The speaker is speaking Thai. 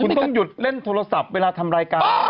คุณต้องหยุดเล่นโทรศัพท์เวลาทำรายการ